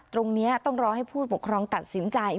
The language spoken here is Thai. ตรงนี้ต้องรอให้ผู้ปกครองตัดสินใจ